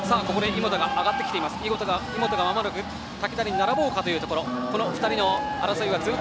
井本が竹田に並ぼうかというところ。